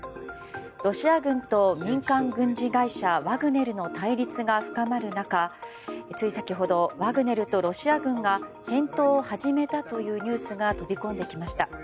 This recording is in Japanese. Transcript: ロシア軍と、民間軍事会社ワグネルの対立が深まる中つい先ほどワグネルとロシア軍が戦闘を始めたというニュースが飛び込んできました。